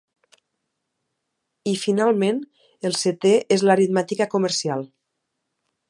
I, finalment, el setè és l'aritmètica comercial.